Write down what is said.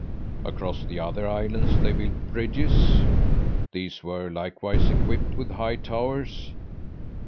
Across the other islands they built bridges; these were likewise equipped with high towers.